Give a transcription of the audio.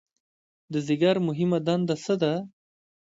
د ځیګر مهمه دنده څه ده؟